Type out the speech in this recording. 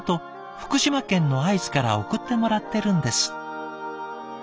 福島県の会津から送ってもらってるんです」。